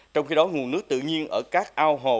trong khi đó nguồn nước tự nhiên ở các ao hồ